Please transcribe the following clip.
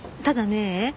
ただね